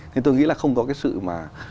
nên tôi nghĩ là không có cái sự mà